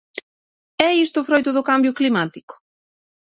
É isto froito do cambio climático?